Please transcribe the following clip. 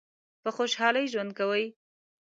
په خوشحالی ژوند کوی؟